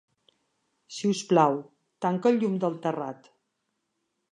Si us plau, tanca el llum del terrat.